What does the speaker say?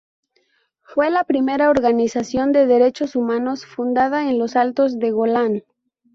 Fue la primera organización de derechos humanos fundada en los Altos del Golán.